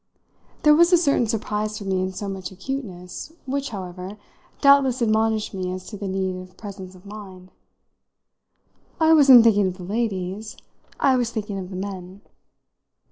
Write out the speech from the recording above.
There was a certain surprise for me in so much acuteness, which, however, doubtless admonished me as to the need of presence of mind. "I wasn't thinking of the ladies I was thinking of the men."